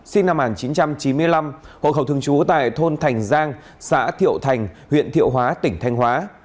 sinh năm một nghìn chín trăm chín mươi năm hộ khẩu thường trú tại thôn thành giang xã thiệu thành huyện thiệu hóa tỉnh thanh hóa